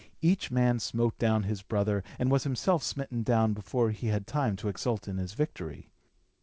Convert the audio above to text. Each man smote down his brother, and was himself smitten down before he had time to exult in his victory.